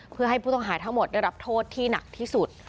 เพื่อให้ผู้ต้องหาทั้งหมดได้รับโทษที่หนักที่สุด